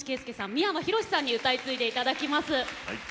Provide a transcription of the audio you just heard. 三山ひろしさんに歌い継いで頂きます。